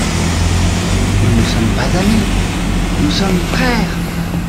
Nous ne sommes pas amis, nous sommes frères.